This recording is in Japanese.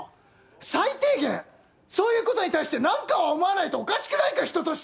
最低限そういうことに対して何かは思わないとおかしくないか人として！